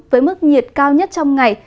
với mức nhiệt cao nhất trong ngày